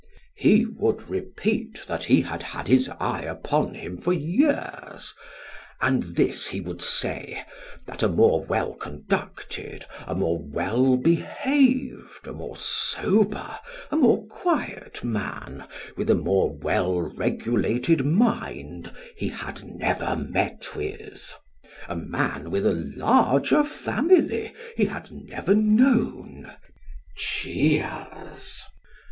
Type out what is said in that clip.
") He would repeat that he had had his eye upon him for years, and this he would say, that a more well conducted, a more well behaved, a more sober, a more quiet man, with a more well regulated mind, he had never met with. A man with a larger family he had never known (cheers).